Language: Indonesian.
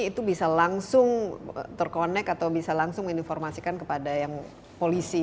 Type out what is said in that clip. itu bisa langsung terkonek atau bisa langsung menginformasikan kepada yang polisi